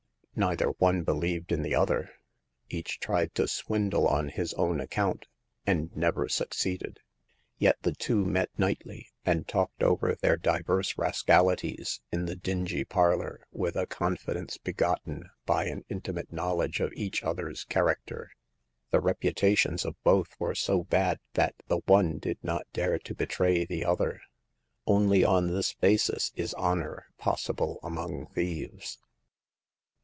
Neither one believed in the other ; each tried to swindle on his own account, and never succeeded ; yet the two met nightly and talked over their divers ras calities in the dingy parlor, with a confidence begqtten by an intimate knowledge of each other's character. The reputations of both were so bad that the one did not dare to betray the other. Only on this basis is honor possible among thieves.